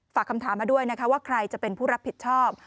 ฝากคำถามมาด้วยนะคะว่าใครจะเป็นผู้รับผิดชอบ